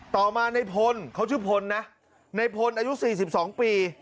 ต่อมาในพลเขาชื่อพลนะในพลอายุ๔๒ปี